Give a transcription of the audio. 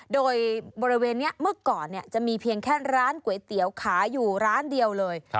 โดยบริเวณนี้เมื่อก่อนจะมีเพียงแค่ร้านก๋วยเตี๋ยวขายอยู่ร้านเดียวเลย